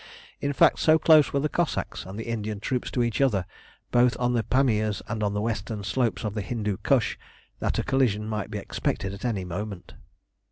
In fact, so close were the Cossacks and the Indian troops to each other, both on the Pamirs and on the western slopes of the Hindu Kush, that a collision might be expected at any moment.